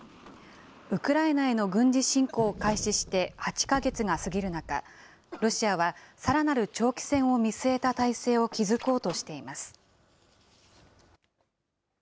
ウクライナへの軍事侵攻を開始して８か月が過ぎる中、ロシアはさらなる長期戦を見据えた体制を築こうとしています。